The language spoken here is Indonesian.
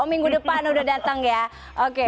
oh minggu depan udah datang ya oke